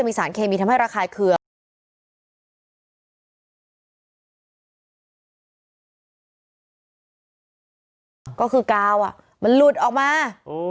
มีสารเคมีทำให้ราคาเคือกก็คือกาวอ่ะมันหลุดออกมาโอ้